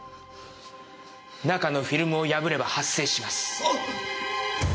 中のフィルムを破れば発生します。